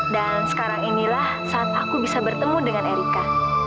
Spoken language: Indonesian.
dan sekarang inilah saat aku bisa bertemu dengan erika